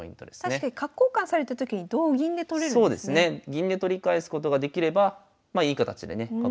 銀で取り返すことができればまあいい形でね角